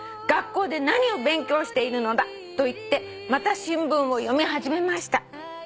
「『学校で何を勉強しているのだ』と言ってまた新聞を読み始めました」